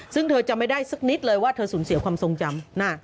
ซึ่งเธอจำไม่ได้สักนิดเลยว่าเธอสูญเสียความทรงจำ